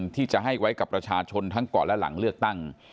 ที่จะให้ไว้กับประชาชนทั้งก่อนและหลังเลือกตั้ง